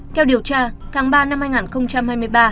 theo điều tra tháng ba năm hai nghìn hai mươi ba